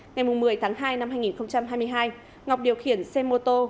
ngày một mươi tháng hai năm hai nghìn hai mươi hai ngọc điều khiển xe mô tô